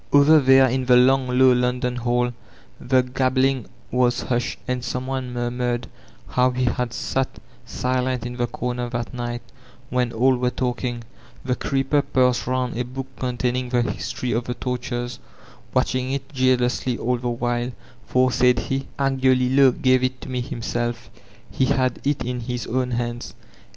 Over there in the long tow London hall the gabbBiv was hushed, and some one murmured how he had sal The Heart of Angioullo 431 silent b the corner that njgfat when all were talking. The creeper passed round a book containing the history of the tortures, watching k jealously all the while, for said he, ''Angiolillo gave it to me hhnsdf ; he had it in his own hands.